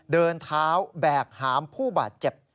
เดินเท้าแบกหามผู้บาดเจ็บ